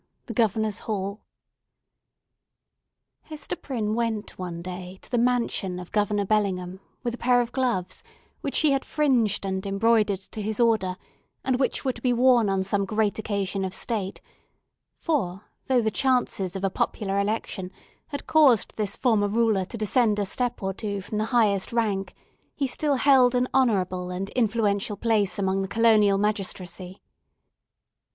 THE GOVERNOR'S HALL Hester Prynne went one day to the mansion of Governor Bellingham, with a pair of gloves which she had fringed and embroidered to his order, and which were to be worn on some great occasion of state; for, though the chances of a popular election had caused this former ruler to descend a step or two from the highest rank, he still held an honourable and influential place among the colonial magistracy.